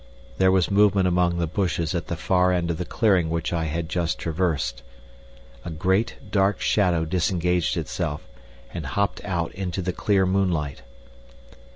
There was movement among the bushes at the far end of the clearing which I had just traversed. A great dark shadow disengaged itself and hopped out into the clear moonlight.